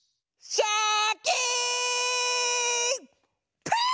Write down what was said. シャキーン！